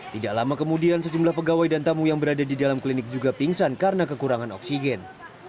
tidak lama kemudian sejumlah pegawai dan tamu yang berada di dalam klinik juga pingsan karena kekurangan oksigen